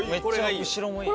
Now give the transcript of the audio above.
後ろもいい。